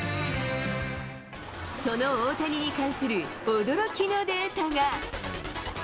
その大谷に関する驚きのデータが。